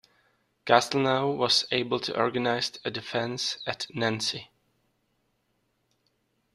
Castelnau was able to organize a defence at Nancy.